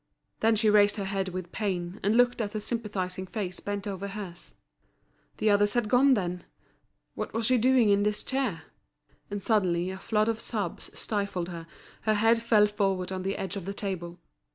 Then she raised her head with pain, and looked at the sympathising face bent over hers. The others had gone, then? What was she doing on this chair? And suddenly a flood of sobs stifled her, her head fell forward on the edge of the table.